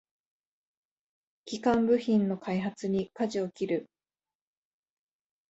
基幹部品の開発にかじを切る